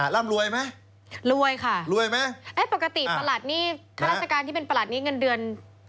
ร่ำรวยมั้ยรวยค่ะรวยมั้ยปกติแค่ราชการที่เป็นประหลัดนี้เงินเดือน